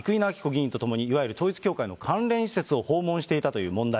議員と共にいわゆる統一教会の関連施設を訪問していたという問題。